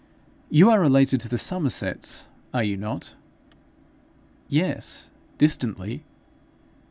You are related to the Somersets, are you not?' 'Yes distantly.'